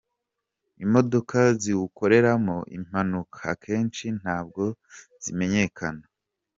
Imodoka ziwukoreramo impanuka akenshi ntabwo zimenyekana.